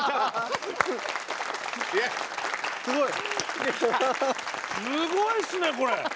すごいっすねこれ。